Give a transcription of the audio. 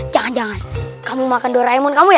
jangan jangan kamu makan doraemon kamu ya